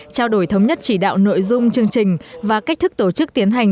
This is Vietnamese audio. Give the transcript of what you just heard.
trao đổi thống nhất chỉ đạo nội dung chương trình và cách thức tổ chức tiến hành